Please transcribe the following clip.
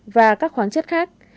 và các khoáng chất khác